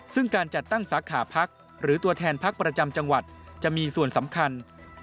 ซึ่งการจัดตั้งสาขาพักหรือตัวแทนพักประจำจังหวัดจะมีส่วนสำคัญ